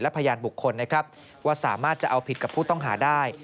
พยานบุคคลนะครับว่าสามารถจะเอาผิดกับผู้ต้องหาได้